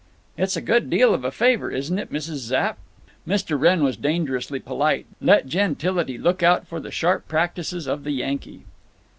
"It's a good deal of a favor, isn't it, Mrs. Zapp?" Mr. Wrenn was dangerously polite. Let gentility look out for the sharp practices of the Yankee.